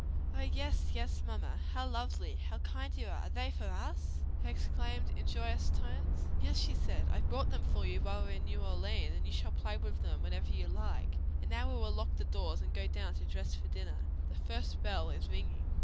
"Oh, yes, yes, mamma! how lovely! how kind you are! are they for us?" they exclaimed in joyous tones. "Yes," she said, "I bought them for you while we were in New Orleans, and you shall play with them whenever you like. And now we will lock the doors and go down to dress for dinner. The first bell is ringing."